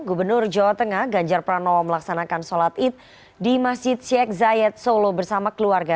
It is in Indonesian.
gubernur jawa tengah ganjar pranowo melaksanakan sholat id di masjid syek zayed solo bersama keluarga